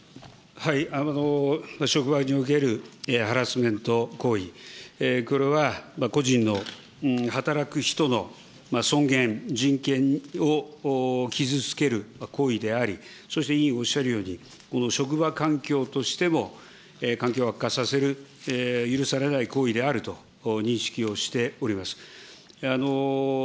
職場におけるハラスメント行為、これは個人の働く人の尊厳、人権を傷つける行為であり、そして委員おっしゃるように、この職場環境としても環境を悪化させる、許されない行為であると認識をしております。